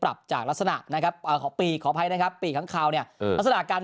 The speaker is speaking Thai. รับจากลักษณะนะครับกอปีขอภัยนะครับปีข่างเราเนี่ยการ